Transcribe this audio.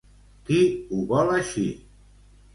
Qui ho vol així?